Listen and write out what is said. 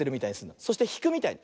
そしてひくみたいに。